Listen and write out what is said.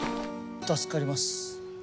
助かります。